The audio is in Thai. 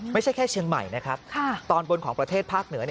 ไม่ใช่แค่เชียงใหม่นะครับตอนบนของประเทศภาคเหนือ